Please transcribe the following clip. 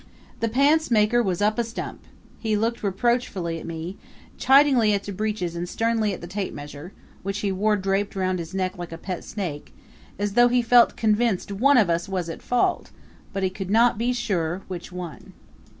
That pantsmaker was up a stump! He looked reproachfully at me, chidingly at the breeches and sternly at the tapemeasure which he wore draped round his neck like a pet snake as though he felt convinced one of us was at fault, but could not be sure which one.